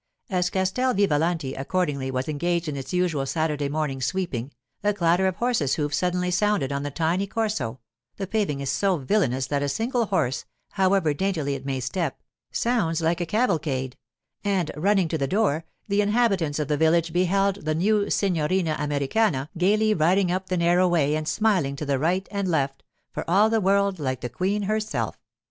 As Castel Vivalanti, accordingly, was engaged in its usual Saturday morning sweeping, a clatter of horses' hoofs suddenly sounded on the tiny Corso (the paving is so villainous that a single horse, however daintily it may step, sounds like a cavalcade), and running to the door, the inhabitants of the village beheld the new signorina Americana gaily riding up the narrow way and smiling to the right and left, for all the world like the queen herself.